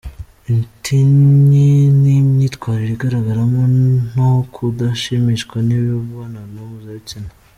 Intinyi ni imyitwarire igaragaramo no kudashimishwa n’imibonano mpuzabitsina.